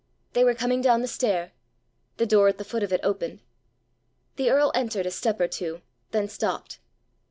They were coming down the stair. The door at the foot of it opened. The earl entered a step or two, then stopped.